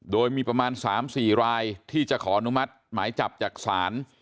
โดยมีประมาณ๓๔รายที่จะขออนุมัติหมายจับจากศาล